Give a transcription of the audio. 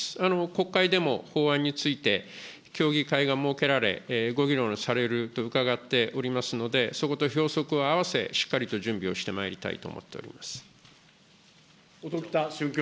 国会でも法案について、協議会が設けられ、ご議論されると伺っておりますので、そことひょうそくを合わせ、しっかりと準備をしてまいりたいと思音喜多駿君。